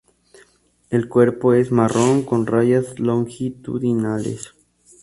El cuerpo es marrón con rayas longitudinales.